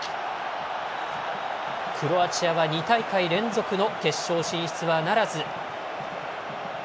クロアチアは２大会連続の決勝進出はならず。